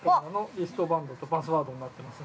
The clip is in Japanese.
リストバンドとパスワードになっています。